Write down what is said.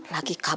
lagi kagetnya ya